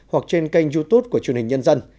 hoặc trên kênh youtube của truyền hình nhân dân